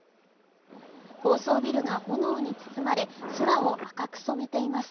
高層ビルが炎に包まれ空を赤く染めています。